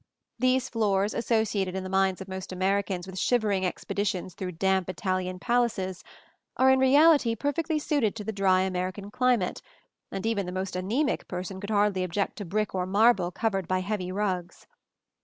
These floors, associated in the minds of most Americans with shivering expeditions through damp Italian palaces, are in reality perfectly suited to the dry American climate, and even the most anæmic person could hardly object to brick or marble covered by heavy rugs.